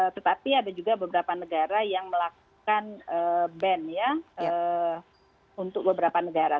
tetapi ada juga beberapa negara yang melakukan band ya untuk beberapa negara